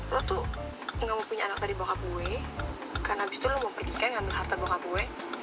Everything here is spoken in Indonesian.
lo tuh gak mau punya anak dari bokap gue karena abis itu lo mau pergi ikatan ngambil harta bokap gue